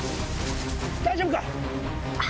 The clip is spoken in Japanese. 大丈夫か？